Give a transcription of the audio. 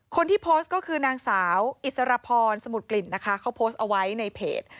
คนที่โพสต์ก็คือนางสาวอิสรพรสมุทรกลิ่นนะคะเขาโพสต์เอาไว้ในเพจ